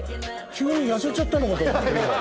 急に痩せちゃったのかと思った。